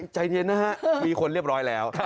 ใจเย็นนะฮะมีคนเรียบร้อยแล้ว